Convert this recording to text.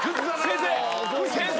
先生！